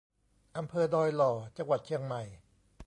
อำเภอดอยหล่อ จังหวัดเชียงใหม่